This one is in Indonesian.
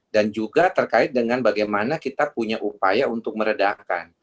dan juga terkait dengan bagaimana kita punya upaya untuk meredakan